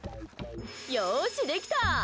よーし、できた！